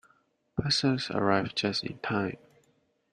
Parcels arrive just in time.